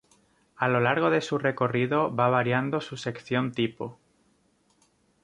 A lo largo de su recorrido va variando su sección tipo.